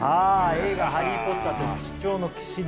映画「ハリー・ポッターと不死鳥の騎士団」